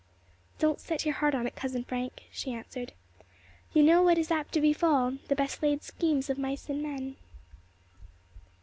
"Don't set your heart on it, Cousin Frank," she answered. "You know what is apt to befall 'the best laid schemes of mice and men.'"